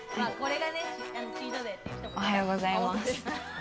おはようございます。